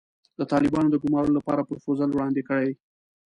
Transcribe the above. د طالبانو د ګومارلو لپاره پروفوزل وړاندې کړي.